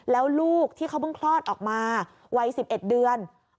แล้วลูกที่เขาเพิ่งคลอดออกมาวัย๑๑เดือน